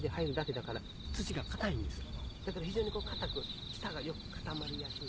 だから非常に硬く下がよく固まりやすい。